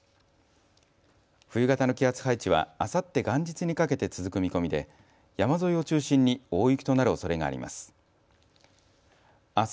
冬型の気圧配置はあさって元日にかけて続く見込みで山沿いを中心に大雪となるおそれがあります。